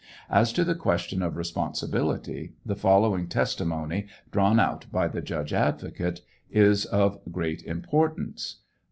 As to the question of responsibility, the following testimony drawn out by the judge advocate is of great importance!